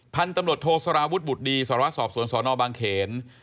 พันธุ์ตำรวจโทสารวุฒิบุตรดีสารวสอบสวนสนบางเขน